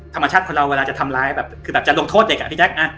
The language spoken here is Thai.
ธรรมชาติคนเราเวลาจะทำร้ายแบบคือแบบจะลงโทษเด็กอ่ะพี่แจ๊ค